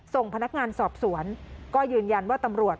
ส่งพนักงานสอบสวนก็ยืนยันว่าตำรวจ